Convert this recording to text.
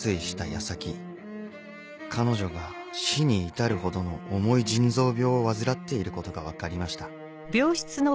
矢先彼女が死に至るほどの重い腎臓病を患っていることが分かりました。